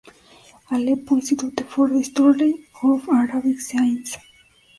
Aleppo: Institute for the History of Arabic Science.